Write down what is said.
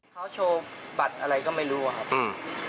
เขาโชว์บัตรอะไรก็ไม่รู้อะครับอืม